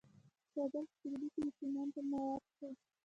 د کابل په سروبي کې د سمنټو مواد شته.